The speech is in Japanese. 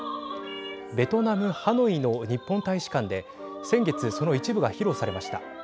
ベトナム、ハノイの日本大使館で先月その一部が披露されました。